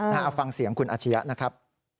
เอาฟังเสียงคุณอาชียะนะครับ